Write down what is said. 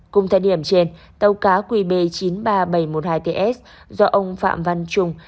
cùng thời điểm trên tàu cá qb chín mươi ba nghìn bảy trăm một mươi hai ts do ông phạm văn trung